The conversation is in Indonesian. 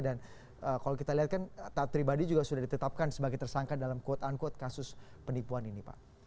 dan kalau kita lihat kan taat pribadi juga sudah ditetapkan sebagai tersangka dalam quote unquote kasus penipuan ini pak